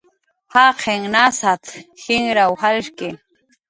"Jaqin nasat"" jinraw jalshki"